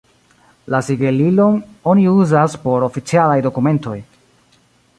La sigelilon oni uzas por oficialaj dokumentoj.